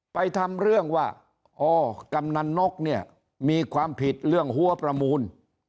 ไปทำเรื่องว่าอ๋อกำนันนกเนี่ยมีความผิดเรื่องหัวประมูล